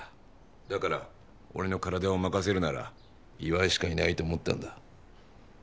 だから俺の体を任せるなら岩井しかいないと思ったんだ。